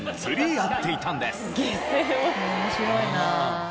面白いなあ。